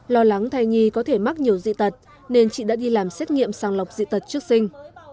lo lắng thai nhi có thể mắc nhiều dị tật nên chị đã đi làm xét nghiệm sàng lọc dị tật trước sinh